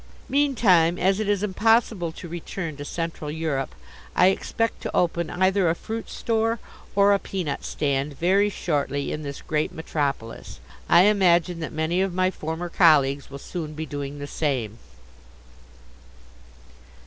Meantime, as it is impossible to return to Central Europe, I expect to open either a fruit store or a peanut stand very shortly in this great metropolis. I imagine that many of my former colleagues will soon be doing the same!